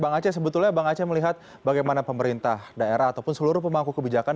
bang aceh sebetulnya bang aceh melihat bagaimana pemerintah daerah ataupun seluruh pemangku kebijakan